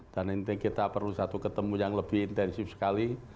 dan intinya kita perlu satu ketemu yang lebih intensif sekali